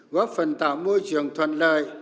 góp phần tạo môi trường thuận lợi